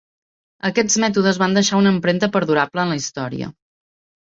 Aquests mètodes van deixar una empremta perdurable en la història.